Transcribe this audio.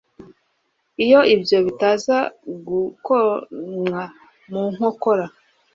Iyo ibyo bitaza gukomwa mu nkokora